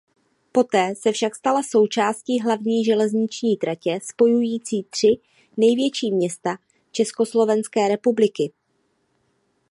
Poté se však stala součástí hlavní železniční tratě spojující tři největší města Československé republiky.